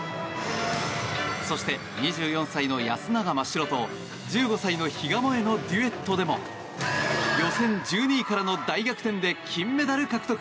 そして２４歳の安永真白と１５歳の比嘉もえのデュエットでも予選１２位からの大逆転で金メダル獲得。